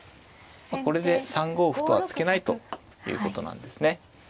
これで３五歩とは突けないということなんですね。